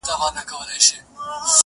o ډېري مو وکړې د تاریخ او د ننګونو کیسې,